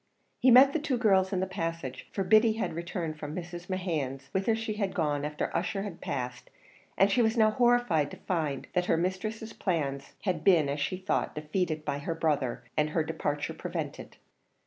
He met the two girls in the passage, for Biddy had returned from Mrs. Mehan's, whither she had gone after Ussher had passed, and she was now horrified to find that her mistress's plans had been, as she thought, defeated by her brother, and her departure prevented.